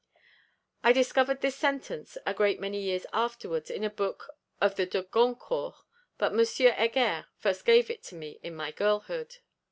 I discovered this sentence a great many years afterwards in a book of the de Goncourts. But M. Heger first gave it to me in my girlhood.